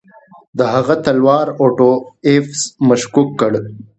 د هغه تلوار اوټو ایفز مشکوک کړ.